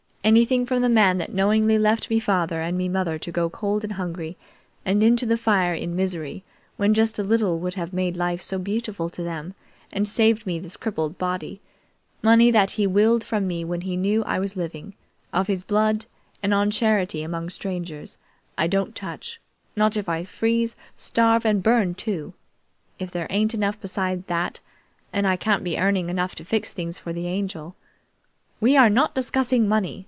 Anything from the man that knowingly left me father and me mother to go cold and hungry, and into the fire in misery, when just a little would have made life so beautiful to them, and saved me this crippled body money that he willed from me when he knew I was living, of his blood and on charity among strangers, I don't touch, not if I freeze, starve, and burn too! If there ain't enough besides that, and I can't be earning enough to fix things for the Angel " "We are not discussing money!"